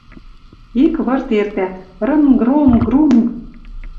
Ик вырт эртӓ: рынг-ронг-рунг!